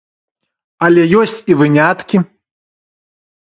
Але ёсць і выняткі.